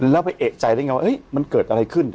แล้วไปเอกใจได้ไงว่ามันเกิดอะไรขึ้น